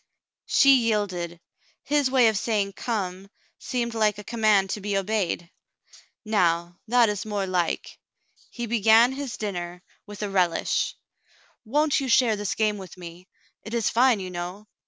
She yielded. His way of saying "Come" seemed like a command to be obeyed. "Nov/, that is more like." He began his dinner with a Cassandra's Promise 53 relish. Won't you share this game with me? It is fine, you know."